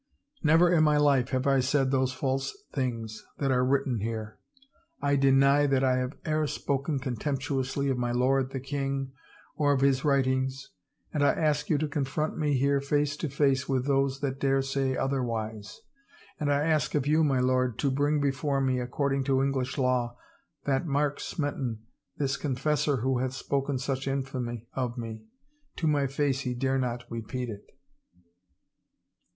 Never in my life have I said those false things that are written here. I deny that I have e'er spoken contemptu ously of my lord, the king, or of his writings, and I ask you to confront me here face to face with those that dare say otherwise. And I ask of you, my lord, to bring before me, according to English law, that Mark Smeton, this 'confessor,' who hath spoken such infamy of me. To my face he dare not repeat it